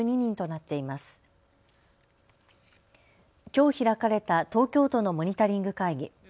きょう開かれた東京都のモニタリング会議。